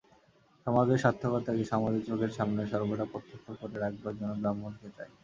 সমাজের সার্থকতাকে সমাজের চোখের সামনে সর্বদা প্রত্যক্ষ করে রাখবার জন্যে ব্রাহ্মণকে চাই।